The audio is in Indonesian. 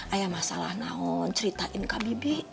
ayah masalah namun ceritain kak bibi